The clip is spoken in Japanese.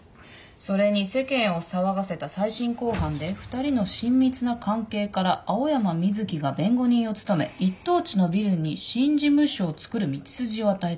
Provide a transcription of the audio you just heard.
それに世間を騒がせた再審公判で２人の親密な関係から青山瑞希が弁護人を務め一等地のビルに新事務所をつくる道筋を与えた。